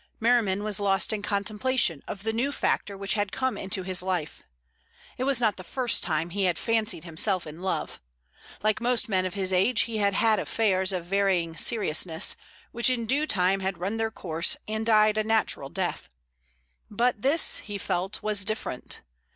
Merriman was lost in contemplation of the new factor which had come into his life. It was not the first time he had fancied himself in love. Like most men of his age he had had affairs of varying seriousness, which in due time had run their course and died a natural death. But this, he felt, was different.